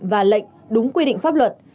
và lệnh đúng quy định pháp luật